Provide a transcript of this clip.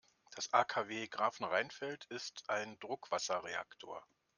Das AKW Grafenrheinfeld ist ein Druckwasserreaktor.